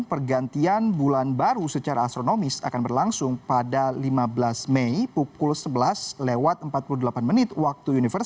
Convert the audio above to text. pergantian bulan baru secara astronomis akan berlangsung pada lima belas mei pukul sebelas empat puluh delapan wu